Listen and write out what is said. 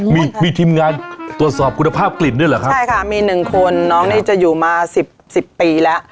มีมีทีมงานตรวจสอบคุณภาพกลิ่นด้วยเหรอครับใช่ค่ะมีหนึ่งคนน้องนี่จะอยู่มาสิบสิบปีแล้ว